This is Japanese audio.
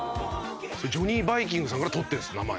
ジョニー・バイキングさんから取ってるんです名前。